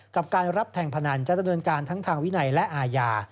กับการรับแทงพนันจะดำเนินการทั้งทางวินัยและอาญา